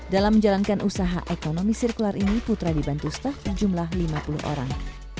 dalam menjalankan usaha ekonomi sirkular ini putra dibantu staf jumlah lima puluh orang